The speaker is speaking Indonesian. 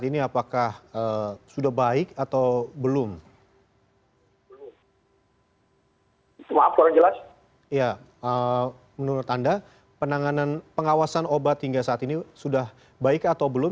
nah menurut anda pengawasan obat hingga saat ini sudah baik atau belum